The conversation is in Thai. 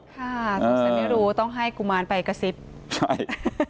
ถ้าฉันไม่รู้ต้องให้กุมารไปกระซิบใช่